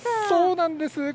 そうなんです。